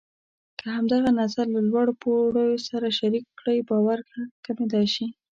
که همدغه نظر له لوړ پوړو سره شریک کړئ، باور کمېدای شي.